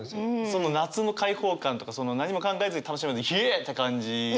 その夏の開放感とかその何も考えずに楽しめるイェエって感じ。